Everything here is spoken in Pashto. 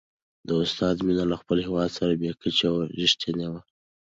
د استاد مینه له خپل هېواد سره بې کچې او رښتینې وه.